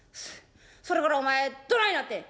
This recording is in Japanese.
それからお前どないなってん」。